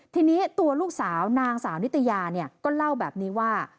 ทีนี้ตัวลูกสาวนางสาวนิตยาเนี่ยก็เล่าแบบนี้ว่า